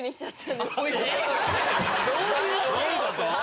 どういうこと？